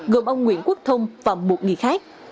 gồm ông nguyễn quốc thông và một người khác